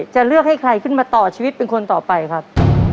จะเลือกให้ใครขึ้นมาต่อชีวิตเป็นคนต่อไปครับ